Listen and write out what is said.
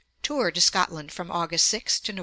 Tour to Scotland from Aug. 6 to Nov.